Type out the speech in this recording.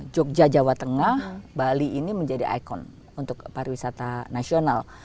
jogja jawa tengah bali ini menjadi ikon untuk pariwisata nasional